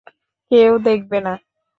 কেউ দেখবে না।